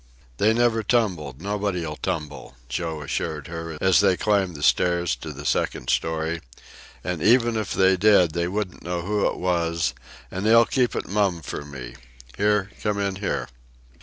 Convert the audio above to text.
"They never tumbled; nobody'll tumble," Joe assured her, as they climbed the stairs to the second story. "And even if they did, they wouldn't know who it was and they's keep it mum for me. Here, come in here!"